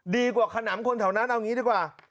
ดีกว่าขนำคนแถวนั้นเอางี้ดีกว่า